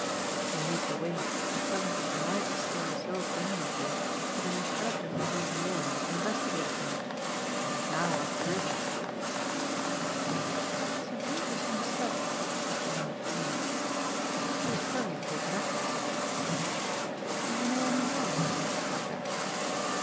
He moved away and presently denied the story so vehemently that an intelligent young lawyer investigated him and he is now up the river." "That's an interesting study," Mr. Lund commented. He was thoroughly taken up with the subject. "Do you know any more instances like that?"